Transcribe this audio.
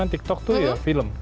tiktok tuh ya film